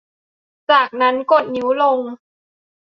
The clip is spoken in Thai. จากนั้นกดนิ้วลง